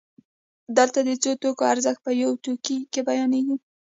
دلته د څو توکو ارزښت په یو توکي کې بیانېږي